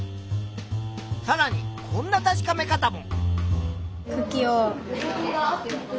さらにこんな確かめ方も。